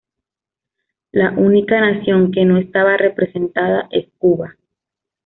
La única nación que no estaba representada es Cuba.